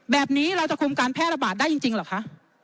แบบนี้เราจะคุมการแพร่ระบาดได้จริงเหรอคะ